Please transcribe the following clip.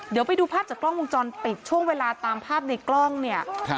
เดี๋ยวไปดูภาพจากกล้องวงจรปิดช่วงเวลาตามภาพในกล้องเนี่ย